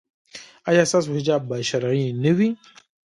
ایا ستاسو حجاب به شرعي نه وي؟